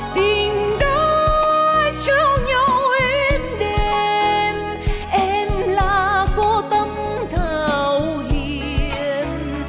tình đã trao nhau êm đềm em là cô tâm thào hiền